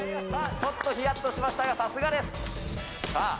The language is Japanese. ちょっとひやっとしましたが、さすがです。さあ。